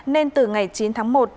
nên từ ngày chín tháng một